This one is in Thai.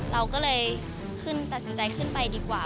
เราก็เลยขึ้นตัดสินใจขึ้นไปดีกว่า